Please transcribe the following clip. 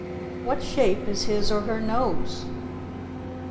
What shape is his or her nose?